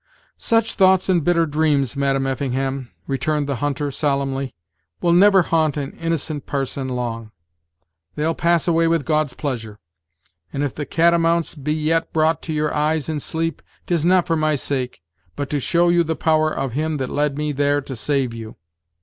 "Such thoughts and bitter dreams, Madam Effingham," returned the hunter, solemnly, "will never haunt an innocent parson long. They'll pass away with God's pleasure. And if the cat a mounts be yet brought to your eyes in sleep, tis not for my sake, but to show you the power of Him that led me there to save you.